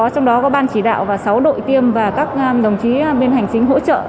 trong đó có ban chỉ đạo và sáu đội tiêm và các đồng chí bên hành chính hỗ trợ